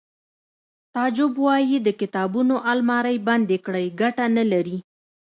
تعجب وایی د کتابونو المارۍ بندې کړئ ګټه نلري